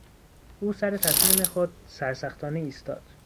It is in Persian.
او سر تصمیم خود سرسختانه ایستاد.